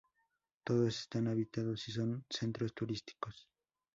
Todos están habitados y son centros turísticos.